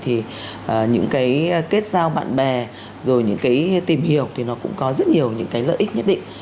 thì những cái kết giao bạn bè rồi những cái tìm hiểu thì nó cũng có rất nhiều những cái lợi ích nhất định